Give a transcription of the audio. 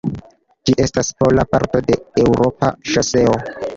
Ĝi estas pola parto de eŭropa ŝoseo.